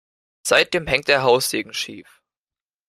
Seitdem hängt der Haussegen schief.